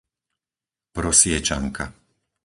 Prosiečanka